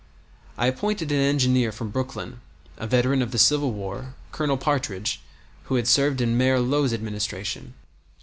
I appointed an engineer from Brooklyn, a veteran of the Civil War, Colonel Partridge, who had served in Mayor Low's administration.